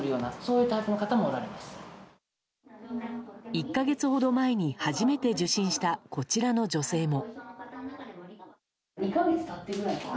１か月ほど前に初めて受診したこちらの女性も。